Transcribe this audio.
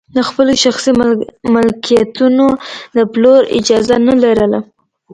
د خپلو شخصي ملکیتونو د پلور اجازه نه لرله.